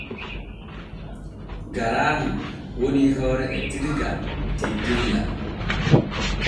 Garaamu woni hoore etirga teddella.